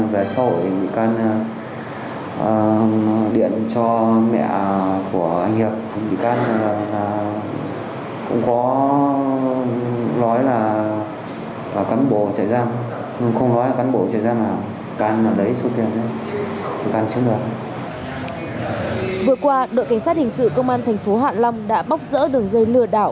vừa qua đội cảnh sát hình sự công an thành phố hạ long đã bóc rỡ đường dây lừa đảo